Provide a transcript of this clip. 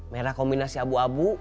merah kombinasi abu abu